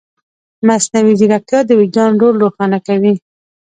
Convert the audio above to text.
مصنوعي ځیرکتیا د وجدان رول روښانه کوي.